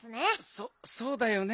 そそうだよね。